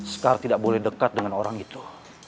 sekar tidak boleh dekat dengan orang itu